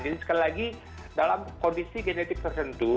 jadi sekali lagi dalam kondisi genetik tertentu